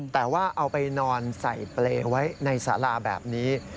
แต่ว่าเอาไปนอนใส่เปรย์ไว้ในสาราแบบนี้